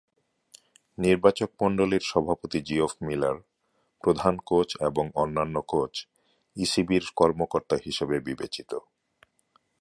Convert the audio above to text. নির্বাচকমণ্ডলীর সভাপতি Geoff Miller, প্রধান coach এবং অন্যান্য কোচ ইসিবি’র কর্মকর্তা হিসেবে বিবেচিত।